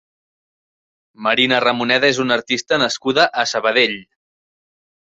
Marina Ramoneda és una artista nascuda a Sabadell.